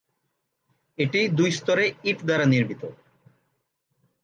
এটি দুই স্তরে ইট দ্বারা নির্মিত।